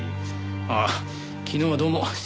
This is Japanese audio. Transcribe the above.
ああ昨日はどうも失礼しました。